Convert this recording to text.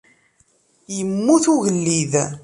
Yemmet ugellid!